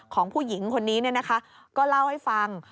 ของผู้หญิงคนนี้ก็เล่าให้ฟัง